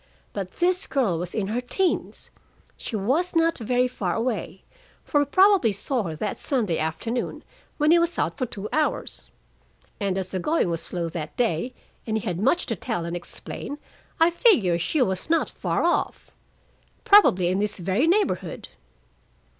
But this girl was in her teens; she was not very far away, for he probably saw her that Sunday afternoon, when he was out for two hours. And as the going was slow that day, and he had much to tell and explain, I figure she was not far off. Probably in this very neighborhood."